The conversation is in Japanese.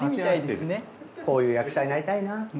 こういう役者になりたいな。